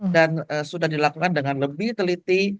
dan sudah dilakukan dengan lebih teliti